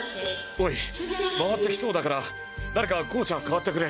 おいまわってきそうだから誰かコーチャー代わってくれ！